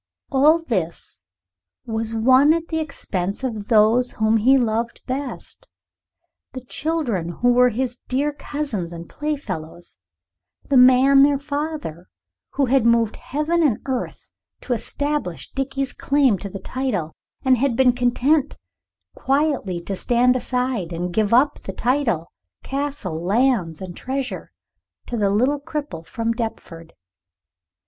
All this was won at the expense of those whom he loved best the children who were his dear cousins and playfellows, the man, their father, who had moved heaven and earth to establish Dickie's claim to the title, and had been content quietly to stand aside and give up title, castle, lands, and treasure to the little cripple from Deptford.